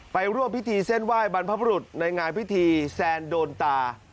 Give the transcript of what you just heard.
ร่วมพิธีเส้นไหว้บรรพบรุษในงานพิธีแซนโดนตา